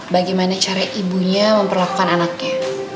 bagaimana cara ibunya memperlakukan anaknya